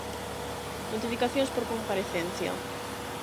Notificacións por comparecencia.